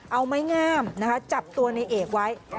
เอาไม้งามจับตัวในเอกไว้